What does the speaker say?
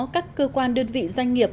các cơ quan đơn vị doanh nghiệp